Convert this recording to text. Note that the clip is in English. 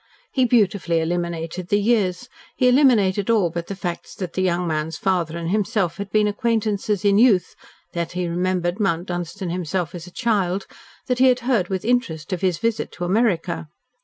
He beautifully eliminated the years, he eliminated all but the facts that the young man's father and himself had been acquaintances in youth, that he remembered Mount Dunstan himself as a child, that he had heard with interest of his visit to America.